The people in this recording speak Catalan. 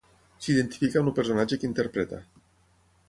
S'identifica amb el personatge que interpreta.